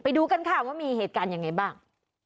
ดูกันค่ะว่ามีเหตุการณ์ยังไงบ้าง